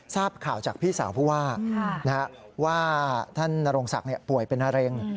ทราบข่าวจากพี่สาวผู้ว่าว่าท่านนโรงศักดิ์ป่วยเป็นมะเร็ง